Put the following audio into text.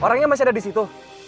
orangnya masih ada di situ